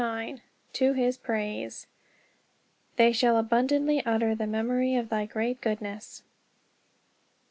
IX TO HIS PRAISE! "They shall abundantly utter the memory of thy great goodness."